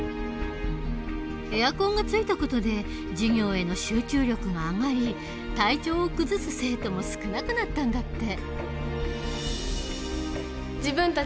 エアコンがついた事で授業への集中力が上がり体調を崩す生徒も少なくなったんだって。